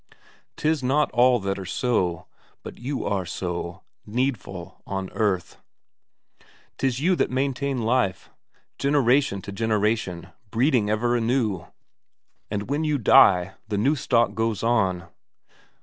'Tis not all that are so, but you are so; needful on earth. 'Tis you that maintain life. Generation to generation, breeding ever anew; and when you die, the new stock goes on.